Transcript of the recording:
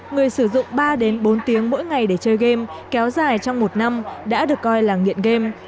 người sử dụng ba bốn tiếng mỗi ngày để chơi game kéo dài trong một năm đã được coi là nghiện game